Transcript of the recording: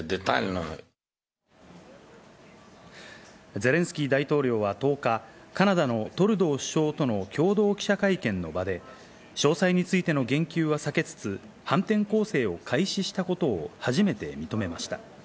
ゼレンスキー大統領は１０日、カナダのトルドー首相との共同記者会見の場で詳細についての言及は避けつつ、反転攻勢を開始したことを初めて認めました。